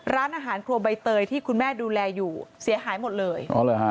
ร้านอาหารครัวใบเตยที่คุณแม่ดูแลอยู่เสียหายหมดเลยอ๋อเหรอฮะ